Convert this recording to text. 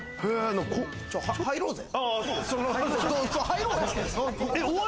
入ろうぜ。